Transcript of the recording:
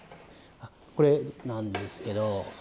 これなんですけど。